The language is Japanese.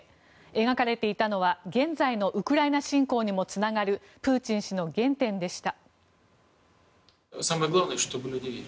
描かれていたのは現在のウクライナ侵攻にもつながるプーチン氏の原点でした。